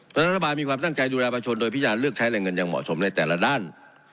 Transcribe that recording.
รัฐบาลมีความตั้งใจดูแลประชนโดยพิจารณ์เลือกใช้แรงเงินอย่างเหมาะสมในแต่ละด้าน